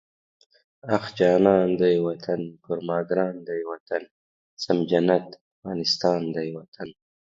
اخ جانان دی وطن، پر ما ګران دی وطن، سم جنت افغانستان دی وطن